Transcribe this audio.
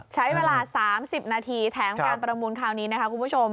ใช้เวลา๓๐นาทีแถมการประมูลคราวนี้นะคะคุณผู้ชม